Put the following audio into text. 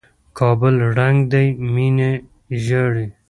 کابل ړنګ دى ميني ژاړي